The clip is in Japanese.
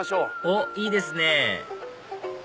おっいいですね